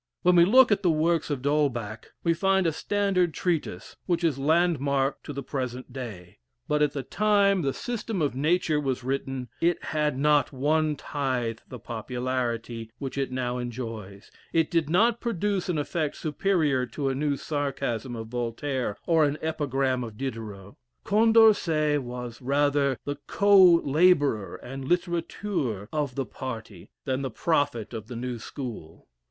When we look at the works of D'Holbach, we find a standard treatise, which is a land mark to the present day; but at the time the "System of Nature" was written, it had not one tithe the popularity which it now enjoys; it did not produce an effect superior to a new sarcasm of Voltaire, or an epigram of Diderot. Condorcet was rather the co laborer and literateur of the party, than the prophet of the new school.